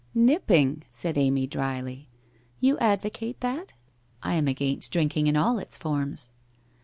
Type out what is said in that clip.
* Nipping !' said Amy drily. ' You advocate that ? I am against drinking in all its forms.'